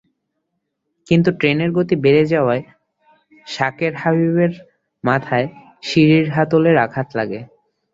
কিন্তু ট্রেনের গতি বেড়ে যাওয়ায় শাকের হাবিবের মাথায় সিঁড়ির হাতলের আঘাত লাগে।